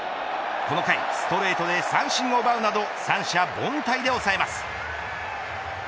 この回、ストレートで三振を奪うなど三者凡退で抑えます。